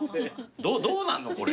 どうなんのこれ？